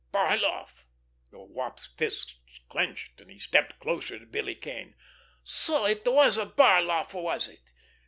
"Barloff!" The Wop's fists clenched, and he stepped closer to Billy Kane. "So it was Barloff, was it?